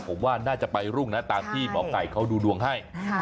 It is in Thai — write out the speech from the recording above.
ผมว่าน่าจะไปรุ่งนะตามที่หมอไก่เขาดูดวงให้